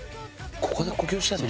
ここで呼吸してんの？